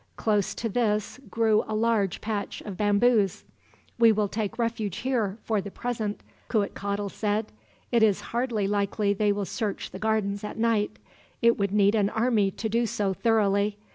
Close to this grew a large patch of bamboos. "We will take refuge here, for the present," Cuitcatl said. "It is hardly likely they will search the gardens at night. It would need an army to do so thoroughly.